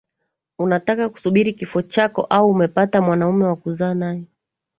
Unataka kusubiri kifo chako Au umepata mwanaume wa kuzaa nae